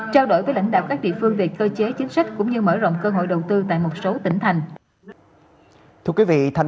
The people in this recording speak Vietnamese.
trao đổi với lãnh đạo các địa phương về cơ chế chính sách cũng như mở rộng cơ hội đầu tư tại một số tỉnh thành